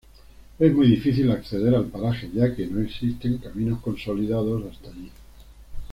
Es muy difícil acceder al paraje, ya que no existen caminos consolidados hasta allí.